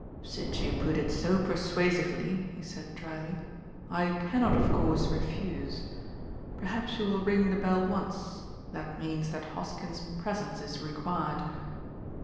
^ "Since you put it so persuasively," he said drily, I cannot of course refuse. Perhaps you will ring the bell once, that means that Hoskins' presence is required."